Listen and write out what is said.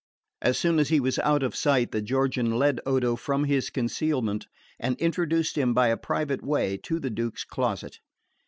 As soon as he was out of sight the Georgian led Odo from his concealment and introduced him by a private way to the Duke's closet.